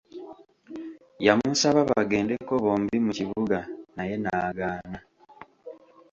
Yamusaba bagendeko bombi mu kibuga naye n'agaana.